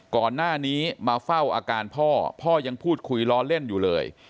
ก่อนหน้านี้มาเฝ้าอาการพ่อพ่อยังพูดคุยล้อเล่นอยู่เลย